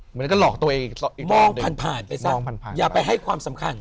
มันก็หลอกตัวเองมองผ่านไปซะอย่าไปให้ความสำคัญ